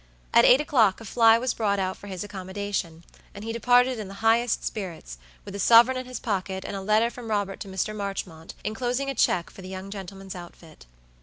At eight o'clock a fly was brought out for his accommodation, and he departed in the highest spirits, with a sovereign in his pocket, and a letter from Robert to Mr. Marchmont, inclosing a check for the young gentleman's outfit.